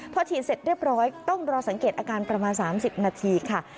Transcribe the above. พอฉีดเสร็จเรียบร้อยต้องรอสังเกตอาการประมาณ๓๐นาทีค่ะ